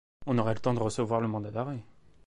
On aurait le temps de recevoir le mandat d’arrêt.